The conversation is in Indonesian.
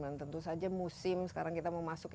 dan tentu saja musim sekarang kita memasuk